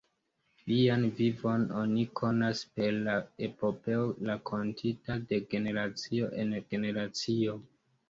Lian vivon oni konas per la epopeo rakontita de generacio en generacio.